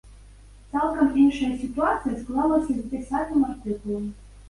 Цалкам іншая сітуацыя склалася з дзясятым артыкулам.